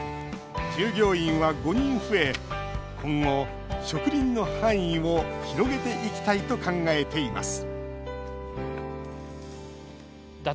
従業員は５人増え今後、植林の範囲を広げていきたいと考えています